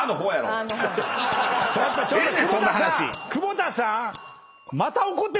久保田さん！